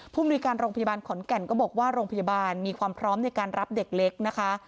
มนุยการโรงพยาบาลขอนแก่นก็บอกว่าโรงพยาบาลมีความพร้อมในการรับเด็กเล็กนะคะ